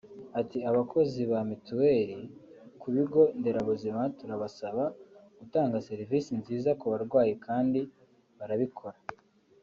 Ati “Abakozi ba mituweli ku bigo nderabuzima turabasaba gutanga serivisi nziza ku barwayi kandi barabikora